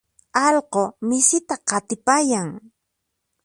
allqu misita qatipayan.